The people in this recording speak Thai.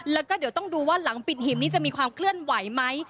แล้วก็เดี๋ยวต้องดูว่าหลังปิดหีบนี้จะมีความเคลื่อนไหวไหม